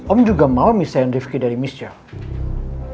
om juga mau misahin rifki dari michelle